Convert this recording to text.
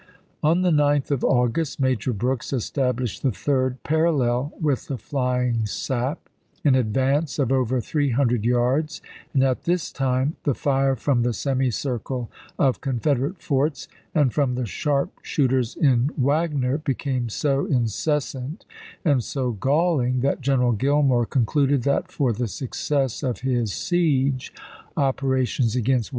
1863. On the 9th of August Major Brooks established the third parallel with the flying sap, an advance of over three hundred yards, and at this time the fire from the semi circle of Confederate forts and from the sharpshooters in Wagner became so inces sant and so galling that General Gillmore concluded that for the success of his siege operations against FOKT WAGNER 435 1863.